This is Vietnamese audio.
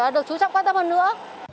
được chú trọng quan tâm hơn nữa